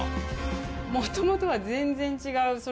もともとは全然違う。